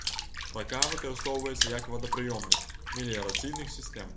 Рака выкарыстоўваецца як водапрыёмнік меліярацыйных сістэм.